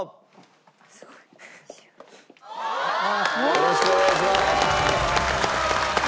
よろしくお願いします。